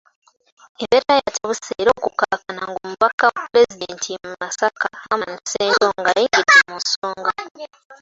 Embeera yatabuse era okukkakana ng'omubaka wa Pulezidenti e Masaka Herman Ssentongo ayingidde mu nsonga.